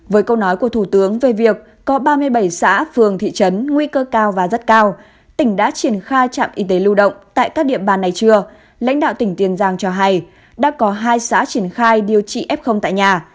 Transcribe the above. với câu nói của thủ tướng về việc có ba mươi bảy xã phường thị trấn nguy cơ cao và rất cao tỉnh đã triển khai trạm y tế lưu động tại các địa bàn này chưa lãnh đạo tỉnh tiền giang cho hay đã có hai xã triển khai điều trị f tại nhà